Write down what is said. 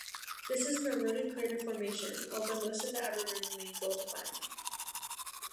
This is an eroded crater formation, although most of the outer rim remains well-defined.